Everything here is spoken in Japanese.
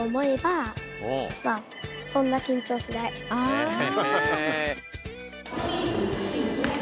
へえ。